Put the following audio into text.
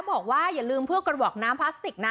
อย่าลืมเพื่อกระบอกน้ำพลาสติกนะ